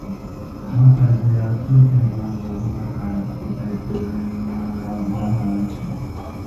Outside, there are two temples of Hoysala times dedicated to Rameshwara and Narasimha.